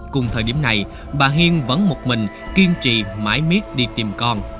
cùng thời điểm này bà hiên vẫn một mình kiên trì mãi miết đi tìm con